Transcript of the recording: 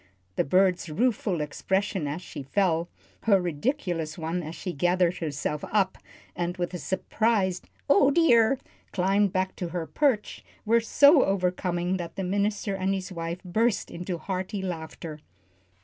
The bird's rueful expression as she fell, her ridiculous one as she gathered herself up, and with a surprised "Oh, dear!" climbed back to her perch, were so overcoming that the minister and his wife burst into hearty laughter.